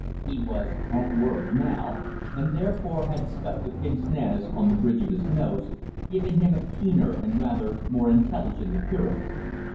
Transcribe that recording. He was at work now, and therefore had stuck the pince nez on the bridge of his nose, giving him a keener and rather more intelligent appearance.